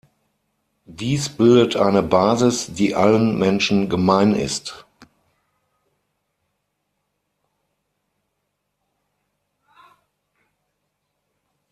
Dies bildet eine Basis, die allen Menschen gemein ist.